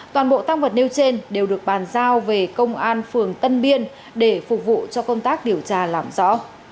toàn bộ tăng vật nêu trên đều được bàn giao về công an phường tân biên để phục vụ cho công tác điều tra làm rõ